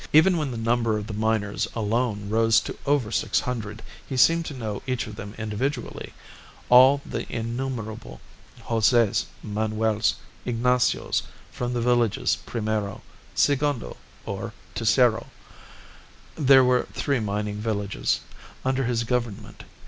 Even when the number of the miners alone rose to over six hundred he seemed to know each of them individually, all the innumerable Joses, Manuels, Ignacios, from the villages primero segundo or tercero (there were three mining villages) under his government.